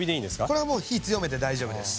これはもう火強めて大丈夫です。